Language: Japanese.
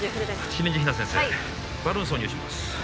シリンジ比奈先生はいバルーン挿入します